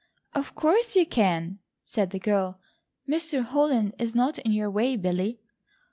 "Of course you can," said the girl, "Mr. Holland is not in your way, Billy."